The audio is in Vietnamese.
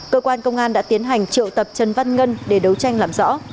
cơ quan công an đã tiến hành triệu tập trần văn ngân để đấu tranh làm rõ